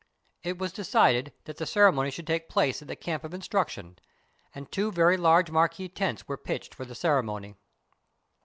It was decided that the ceremony should take place at the camp of instruc 201 CHINA tion, and two very large marquee tents were pitched for the ceremony.